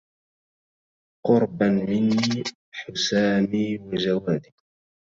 قربا مني حسامي وجوادي